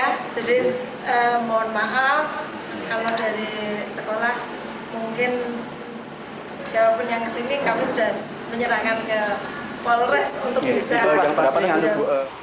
jadi mohon maaf kalau dari sekolah mungkin siapapun yang kesini kami sudah menyerahkan ke polres untuk bisa